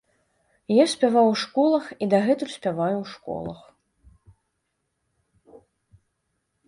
Я спяваў у школах і дагэтуль спяваю ў школах.